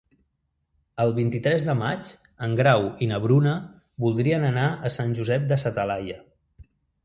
El vint-i-tres de maig en Grau i na Bruna voldrien anar a Sant Josep de sa Talaia.